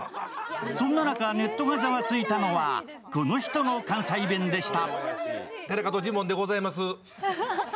そんな中、ネットがざわついたのはこの人の関西弁でした。